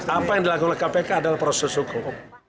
apa yang dilakukan oleh kpk adalah proses hukum